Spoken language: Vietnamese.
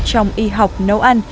trong y học nấu ăn